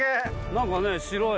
何かね白い。